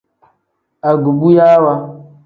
Agubuyaawa.